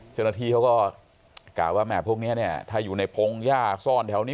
เจ้าหน้าที่เขาก็กล่าวว่าแม่พวกนี้เนี่ยถ้าอยู่ในพงหญ้าซ่อนแถวนี้